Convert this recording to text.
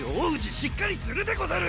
しっかりするでござる！